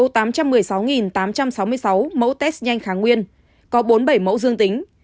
trong số tám trăm một mươi sáu tám trăm sáu mươi sáu mẫu test nhanh kháng nguyên có bốn mươi bảy mẫu dương tính